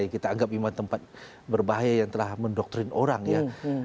kita anggap memang tempat berbahaya yang telah mendoktrin orang ya